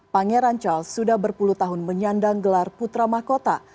pangeran charles sudah berpuluh tahun menyandang gelar putra mahkota